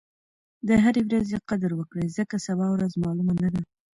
د هرې ورځې قدر وکړئ ځکه سبا ورځ معلومه نه ده.